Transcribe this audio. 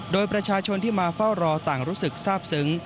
โดยประชาชนที่มาเฝ้ารอต่างรู้สึกทราบซึ้ง